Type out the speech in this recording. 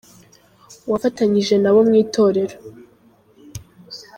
Wafatanyije nabo mu itorero